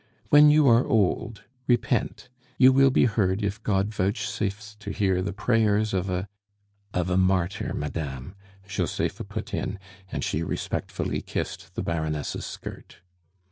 When you are old, repent you will be heard if God vouchsafes to hear the prayers of a " "Of a martyr, madame," Josepha put in, and she respectfully kissed the Baroness' skirt.